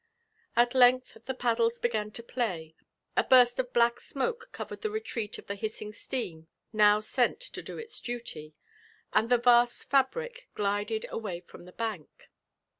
At length the paddles began to play, a burst of black smoke covered the retreat of the hissing steam now sent to do its duly, and th%vast fabric glided away from the bank.